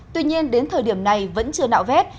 tuy nhiên đến thời điểm này vẫn chưa nạo vét